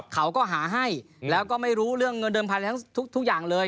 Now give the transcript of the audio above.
เขาก็หาให้แล้วก็ไม่รู้เรื่องเงินเดิมพันธุ์ทุกอย่างเลย